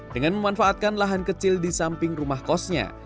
dengan memanfaatkan lahan kecil di samping rumah kosnya